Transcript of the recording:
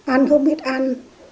ăn không biết ăn